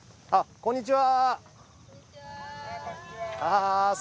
こんにちは。